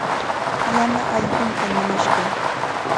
Yana allqum kanimashqa.